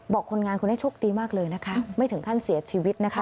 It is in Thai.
คนงานคนนี้โชคดีมากเลยนะคะไม่ถึงขั้นเสียชีวิตนะคะ